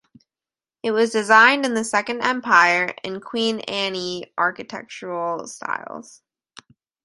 It was designed in the Second Empire and Queen Anne architectural styles.